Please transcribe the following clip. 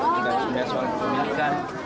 kita harus melihat soal pemilikan